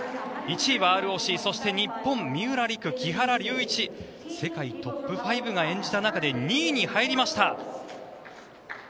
１位はＲＯＣそして、日本の三浦璃来・木原龍一世界トップ５が演じた中で２位に入りました。